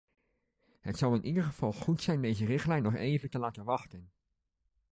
Het zou in ieder geval goed zijn deze richtlijn nog even te laten wachten.